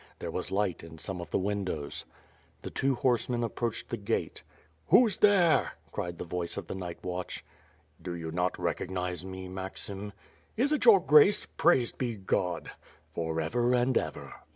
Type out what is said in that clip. There was light in some of the windows. The two horsemen approached the gate. " "Who's there?" cried the voice of the night watch. "Do you not recognize me, Maxim?" "Is it your Grace? Praised be God." "For ever and ever.